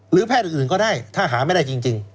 แพทย์อื่นก็ได้ถ้าหาไม่ได้จริง